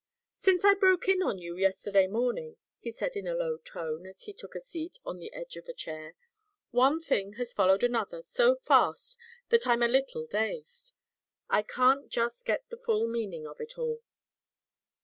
"Since I broke in on you yesterday morning," he said in a low tone as he took a seat on the edge of a chair, "one thing has followed another so fast that I'm a little dazed. I can't just get the full meaning of it all."